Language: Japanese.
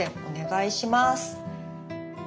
お願いします。